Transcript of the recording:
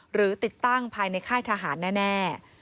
หรือติดตั้งภายในค่ายทหารแน่